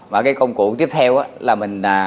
và cái công cụ tiếp theo là mình